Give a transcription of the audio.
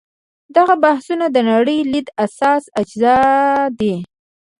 دغه مبحثونه د نړۍ لید اساسي اجزا دي.